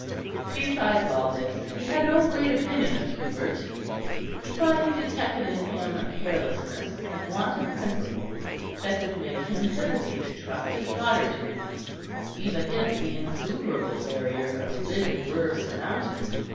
Besides all this he had no great opinion of Hubert. He thought he detected in him a carelessness and want of principle that would make him hesitate to trust his daughter to him, even if the insuperable barrier of religion were surmounted.